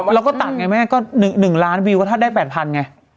เราก็ตัดไงแม่ก็๑ล้านวิวก็ถ้าได้๘๐๐ไง